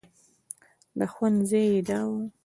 د خوند ځای یې دا و.